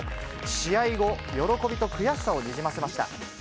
試合後、喜びと悔しさをにじませました。